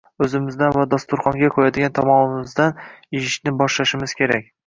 o‘zimizdan va dasturxonga qo‘yadigan taomimizdan ishni boshlashimiz kerak.